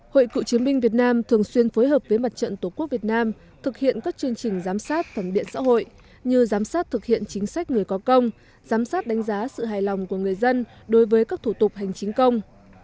hội cựu chiến binh việt nam thường xuyên phối hợp với mặt trận tổ quốc việt nam thực hiện các chương trình giám sát phản biện xã hội như giám sát thực hiện chính sách người có công giám sát đánh giá sự hài lòng của người dân đối với các thủ tục hành chính công